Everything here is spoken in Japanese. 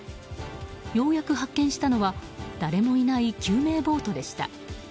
ようやく発見したのは誰もいない救命ボートでした。